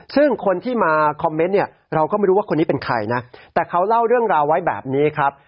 ซึ่งคนที่มาคอมเมนต์เนี่ยเราก็ไม่รู้ว่าคนนี้เป็นใครนะแต่เขาเล่าเรื่องราวไว้แบบนี้ครับ